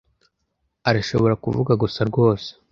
arashobora kuvuga gusa rwose